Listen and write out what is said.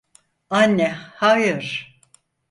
Anne, hayır!